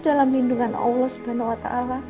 dalam lindungan allah s w t